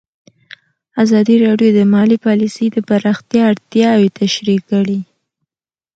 ازادي راډیو د مالي پالیسي د پراختیا اړتیاوې تشریح کړي.